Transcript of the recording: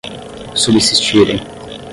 subsistirem